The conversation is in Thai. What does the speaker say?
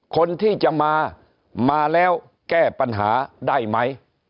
คนที่จะมามาแล้วแก้ปัญหาได้ไหม